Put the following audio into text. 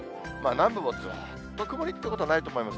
南部もずっと曇りってことはないと思います。